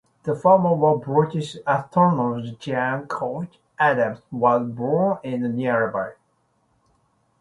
The farm where British astronomer John Couch Adams was born is nearby.